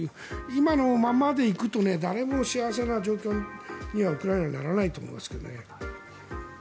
今のままで行くと誰も幸せな状況にはウクライナはならないと思いますけどね。